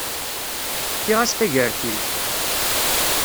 Fkiɣ-as tagertilt.